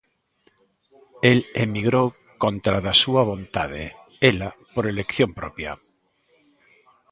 El emigrou contra da súa vontade; ela, por elección propia.